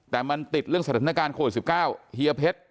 แต่มันติดเรื่องสถานการณ์โควิด๑๙เฮียเพชร